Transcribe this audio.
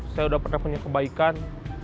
saya sudah pernah punya kebaikan